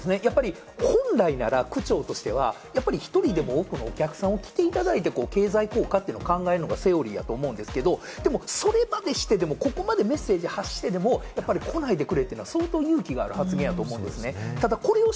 本来なら区長としては１人でも多くのお客さんに来ていただいて、経済効果というのを考えるのがセオリーだと思うんですけれども、ここまでメッセージを発してまででも、来ないでくれというのは相当勇気ある発言やと思うんですね。